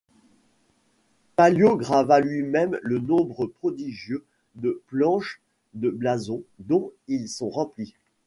Palliot grava lui-même le nombre prodigieux de planches de blason dont ils sont remplis.